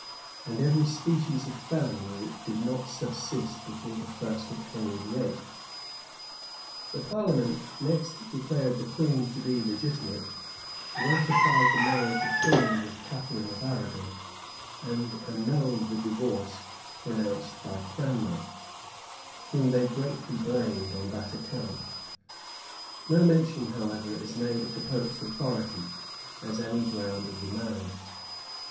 and every species of felony that did not subsist before the first of Henry VIII.[] The parliament next declared the queen to be legitimate, ratified the marriage of Henry with Catharine of Arragon, and annulled the divorce pronounced by Cranmer,[] whom they greatly blamed on that account. No mention, however, is made of the pope's authority, as any ground of the marriage.